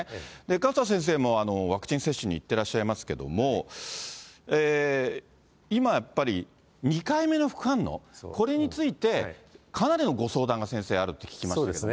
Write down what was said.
勝田先生もワクチン接種に行ってらっしゃいますけども、今やっぱり、２回目の副反応、これについて、かなりのご相談が先生、そうですね。